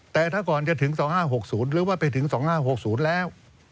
แต่ถ้าก่อนจะถึงสองห้าหกศูนย์หรือว่าไปถึงสองห้าหกศูนย์แล้ว